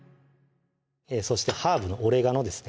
そしてハーブのオレガノですね